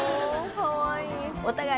かわいい。